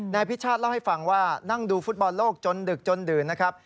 พิชาติเล่าให้ฟังว่านั่งดูฟุตบอลโลกจนดึกจนดื่นนะครับ